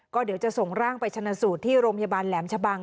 ก็เดี๋ยวจะส่งร่างไปชนะสูตรที่โรงพยาบาลแหลมชะบัง